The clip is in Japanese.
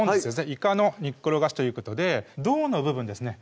イカの煮っころがしということで胴の部分ですね